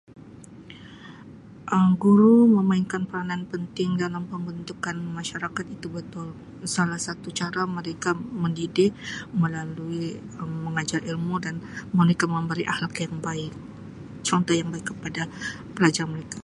Um Guru memainkan peranan penting dalam pembentukan masyarakat itu betul salah satu cara mereka mendidik melalui Um mengajar ilmu dan mereka memberi akhlak yang baik contoh yang baik kepada pelajar mereka.